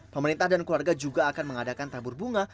pemerintah dan keluarga juga akan mengadakan tabur bunga